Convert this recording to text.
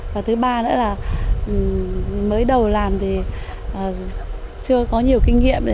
và thứ ba nữa là mới đầu làm thì chưa có nhiều kinh nghiệm